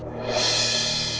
apakah kau seorang pengecut